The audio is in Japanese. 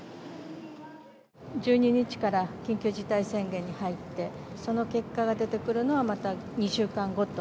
１２日から緊急事態宣言に入って、その結果が出てくるのはまた２週間後と。